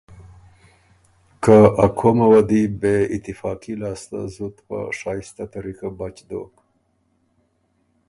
که ا قومه وه دی بې اتفاقي لاسته زُت په شائسته طریقه بچ دوک،